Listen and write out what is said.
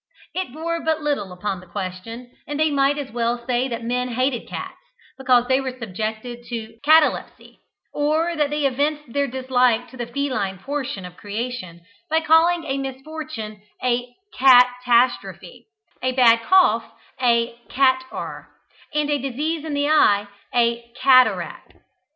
It bore but little upon the question, and they might as well say that men hated cats, because they were subjected to catalepsy; or that they evinced their dislike to the feline portion of creation by calling a misfortune a "cat astrophe," a bad cough a "cat arrh," and a disease in the eye, a "cataract."